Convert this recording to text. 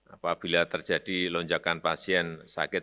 apabila terjadi lonjakan pasien sakit